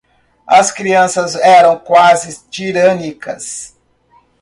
As crianças eram quase tirânicas.